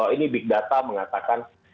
ini big data mengatakan